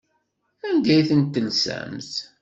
Anda ay tent-telsamt?